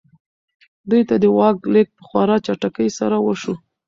دوی ته د واک لېږد په خورا چټکۍ سره وشو.